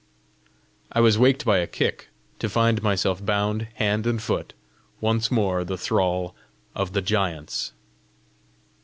I was waked by a kick, to find myself bound hand and foot, once more the thrall of the giants!